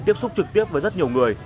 tiếp xúc trực tiếp với rất nhiều người